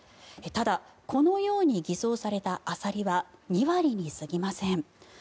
ただこのように偽装されたアサリは２割に過ぎません。